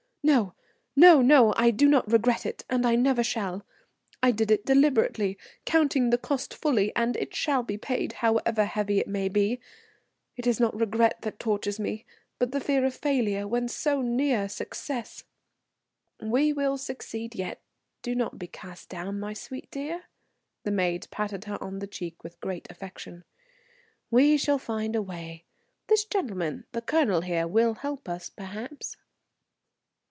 "No, no, no; I do not regret it, and I never shall. I did it deliberately, counting the cost fully, and it shall be paid, however heavy it may be. It is not regret that tortures me, but the fear of failure when so near success." "We will succeed yet. Do not be cast down, my sweet dear." The maid patted her on the cheek with great affection. "We shall find a way. This gentleman, the colonel here, will help us, perhaps."